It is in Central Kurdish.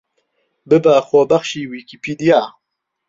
ببە خۆبەخشی ویکیپیدیا